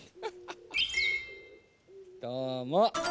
どうも。